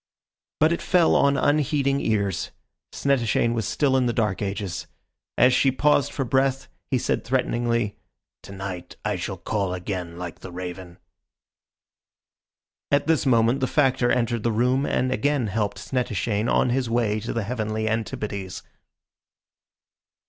But it fell on unheeding ears. Snettishane was still in the dark ages. As she paused for breath, he said threateningly, "To night I shall call again like the raven." At this moment the Factor entered the room and again helped Snettishane on his way to the heavenly antipodes.